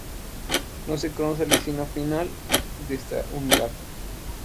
No se conoce el destino final de esta unidad.